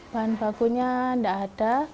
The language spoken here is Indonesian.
bahan bakunya tidak ada